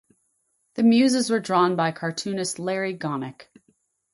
The Muses were drawn by cartoonist Larry Gonick.